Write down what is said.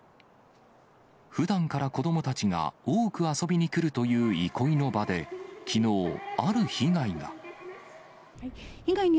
ふだんから子どもたちが、多く遊びに来るという憩いの場で、きのう、ある被害が。